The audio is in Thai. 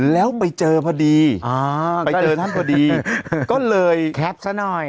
แล้วไปเจอพอดีไปเจอท่านพอดีก็เลยแคปซะหน่อย